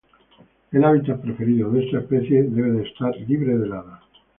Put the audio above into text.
El hábitat preferido de esta especie debe estar libre de heladas.